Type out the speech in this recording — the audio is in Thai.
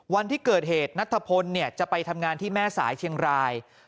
วันที่เกิดเหตุนัทพลจะไปทำงานที่แม่สายเชียงราย